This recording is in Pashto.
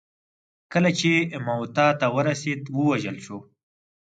کله چې موته ته ورسېد ووژل شو.